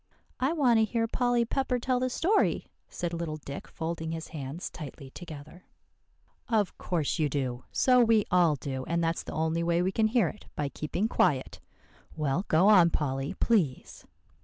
"I want to hear Polly Pepper tell the story," said little Dick, folding his hands tightly together. "Of course you do, so we all do; and that's the only way we can hear it by keeping quiet. Well, go on, Polly, please."